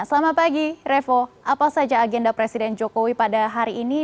selamat pagi revo apa saja agenda presiden jokowi pada hari ini